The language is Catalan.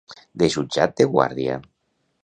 De jutjat de guàrdia.